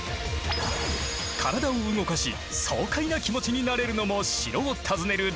体を動かし爽快な気持ちになれるのも城を訪ねる醍醐味！